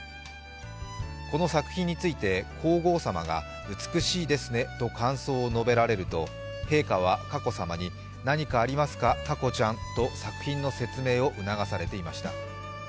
この作品について皇后さまが美しいですねと感想を述べられると陛下は佳子さまに何かありますか、佳子ちゃんと作品の説明を促されていました。